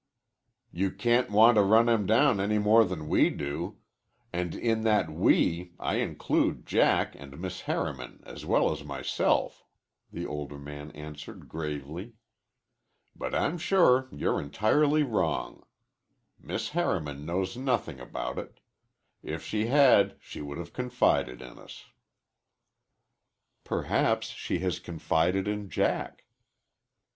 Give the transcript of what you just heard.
"You can't want to run him down any more than we do and in that 'we' I include Jack and Miss Harriman as well as myself," the older man answered gravely. "But I'm sure you're entirely wrong. Miss Harriman knows nothing about it. If she had she would have confided in us." "Perhaps she has confided in Jack."